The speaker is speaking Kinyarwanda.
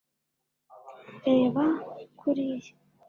reba kuriya